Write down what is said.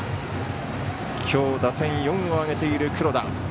きょう、打点４を挙げている黒田。